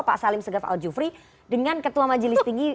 pak salim segev aljufri dengan ketua majelis tinggi